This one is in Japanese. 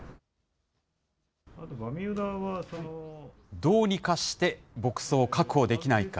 どうにかして、牧草を確保できないか。